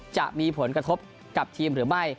จะมีผลกระทบกับทีมหรือไม่